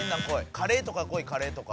カレーとか来いカレーとか。